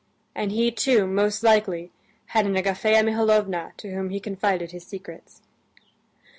And he too, most likely, had an Agafea Mihalovna to whom he confided his secrets."